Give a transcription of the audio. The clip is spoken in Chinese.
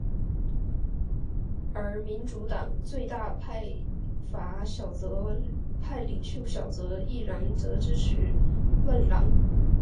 而民主党内最大派阀小泽派领袖小泽一郎则支持鸠山派的海江田万里。